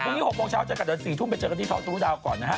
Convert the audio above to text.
พรุ่งอีก๖โมงเช้าจากกันตอน๔ทุ่มเจอกันอีกท้องทศูนย์ดาวก่อนนะฮะ